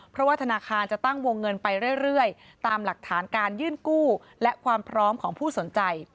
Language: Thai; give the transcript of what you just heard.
เพราะว่าธนาคารจะตั้งวงเงินไปเรื่อยตามหลักฐานการยื่นกู้และความพร้อมของผู้สนใจ